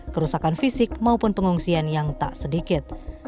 kerusakan fisik maupun pengungsian yang tak sedikit